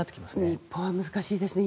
日本は難しいですね。